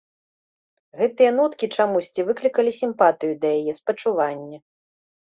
Гэтыя ноткі чамусьці выклікалі сімпатыю да яе, спачуванне.